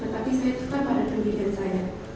tetapi saya tetap pada pendidikan saya